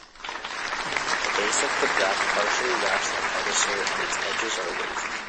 The base of the bract partially wraps the pedicel and its edges are wavy.